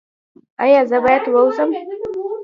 ایا زه باید ووځم؟